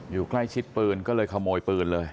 อยู่ใกล้ชิดปืนก็เลยขโมยปืนเลย